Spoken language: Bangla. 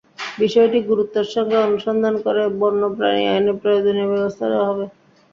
বিষয়টি গুরুত্বের সঙ্গে অনুসন্ধান করে বন্য প্রাণী আইনে প্রয়োজনীয় ব্যবস্থা নেওয়া হবে।